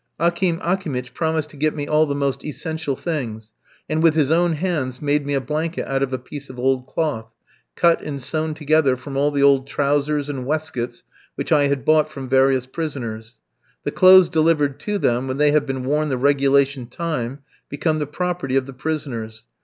Akim Akimitch promised to get me all the most essential things, and with his own hands made me a blanket out of a piece of old cloth, cut and sewn together from all the old trousers and waistcoats which I had bought from various prisoners. The clothes delivered to them, when they have been worn the regulation time, become the property of the prisoners.